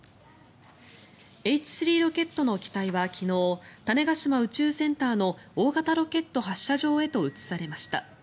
Ｈ３ロケットの機体は昨日種子島宇宙センターの大型ロケット発射場へと移されました。